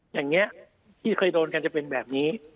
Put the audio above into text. อย่างเงี้ยที่เคยโดนกันจะมีเป็นแบบนี้แล้วฮูโหโห